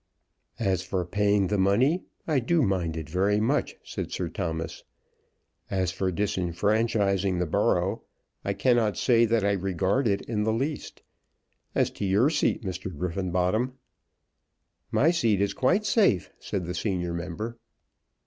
"As for paying the money, I do mind it very much," said Sir Thomas. "As for disfranchising the borough, I cannot say that I regard it in the least. As to your seat, Mr. Griffenbottom " "My seat is quite safe," said the senior member.